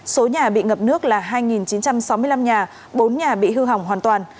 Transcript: số nhà bị ngập nước là hai chín trăm sáu mươi năm nhà bốn nhà bị hư hỏng hoàn toàn